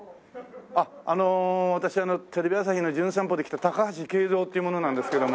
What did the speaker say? あっあの私テレビ朝日の『じゅん散歩』で来た高橋圭三っていう者なんですけども。